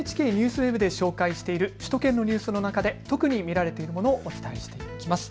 ＮＨＫＮＥＷＳＷＥＢで紹介している首都圏のニュースの中で特に見られているものをお伝えしていきます。